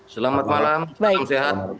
selamat malam salam sehat